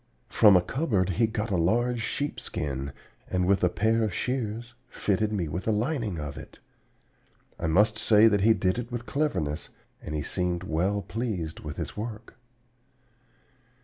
From a cupboard he got a large sheepskin, and with a pair of shears fitted me with a lining of it. I must say that he did it with cleverness, and he seemed well pleased with his work.